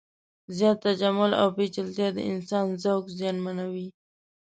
زیات تجمل او پیچلتیا د انسان ذوق زیانمنوي.